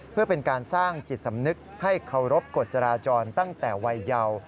เพื่อเป็นการสร้างจิตสำนึกให้เคารพกฎจราจรตั้งแต่วัยเยาว์